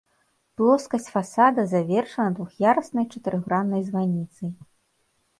Плоскасць фасада завершана двух'яруснай чатырохграннай званіцай.